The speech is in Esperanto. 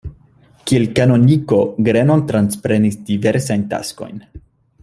Kiel kanoniko Grenon transprenis diversajn taskojn.